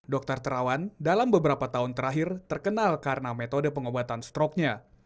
dokter terawan dalam beberapa tahun terakhir terkenal karena metode pengobatan stroknya